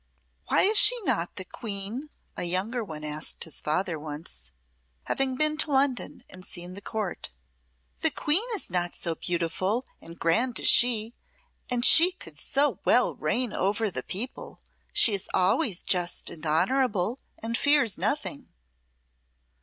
"Why is she not the Queen?" a younger one asked his father once, having been to London and seen the Court. "The Queen is not so beautiful and grand as she, and she could so well reign over the people. She is always just and honourable, and fears nothing."